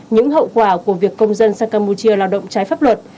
những hậu quả của việc công dân sang campuchia lao động trái pháp luật